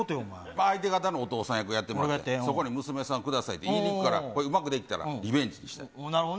相手方のお父さん役やってもらって、そこに娘さんくださいって言いに行くから、うまくいったなるほどな。